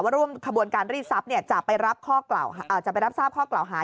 ว่าร่วมขบวนการรีบทรัพย์จะไปรับทราบข้อกล่าวหา